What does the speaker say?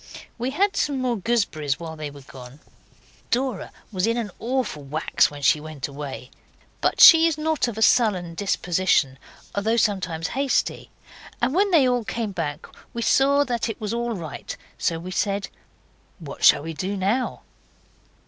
We had some more gooseberries while they were gone. Dora was in an awful wax when she went away, but she is not of a sullen disposition though sometimes hasty, and when they all came back we saw it was all right, so we said 'What shall we do now?